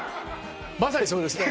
まさにそうですね。